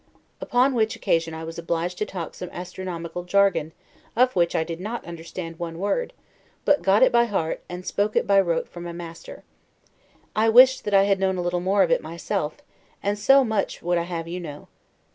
Upon which occasion I was obliged to talk some astronomical jargon, of which I did not understand one word, but got it by heart, and spoke it by rote from a master. I wished that I had known a little more of it myself; and so much I would have you know.